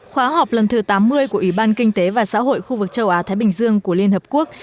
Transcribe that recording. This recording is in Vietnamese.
khóa họp lần thứ tám mươi của ủy ban kinh tế và xã hội khu vực châu á thái bình dương của liên hợp quốc